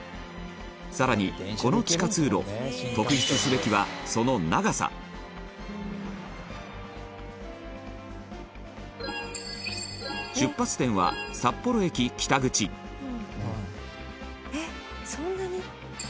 更に、この地下通路特筆すべきは、その長さ出発点は、札幌駅北口羽田：そんなに？